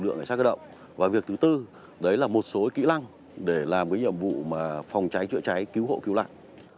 ở sát cơ động và việc thứ tư đấy là một số kỹ lăng để làm cái nhiệm vụ mà phòng cháy chữa cháy cứu hộ cứu lạc